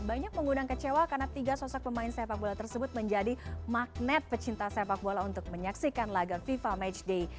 banyak pengguna kecewa karena tiga sosok pemain sepak bola tersebut menjadi magnet pecinta sepak bola untuk menyaksikan laga fifa matchday